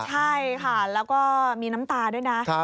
ใช่ค่ะแล้วก็มีน้ำตาด้วยนะ